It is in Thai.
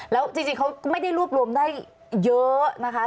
แล้วจริงเขาไม่ได้รวบรวมได้เยอะนะคะ